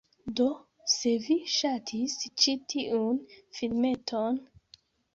Do, se vi ŝatis ĉi tiun filmeton..